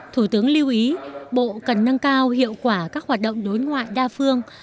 thủ tướng lưu ý bộ cần nâng cao hiệu quả các hoạt động đối ngoại đa phương